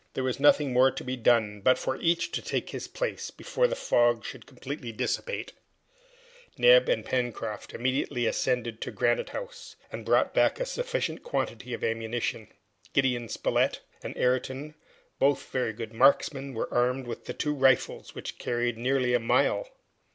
There was nothing more to be done but for each to take his place before the fog should be completely dissipated. Neb and Pencroft immediately ascended to Granite House and brought back a sufficient quantity of ammunition. Gideon Spilett and Ayrton, both very good marksmen, were armed with the two rifles, which carried nearly a mile.